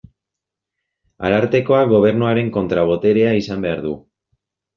Arartekoak Gobernuaren kontra-boterea izan behar du.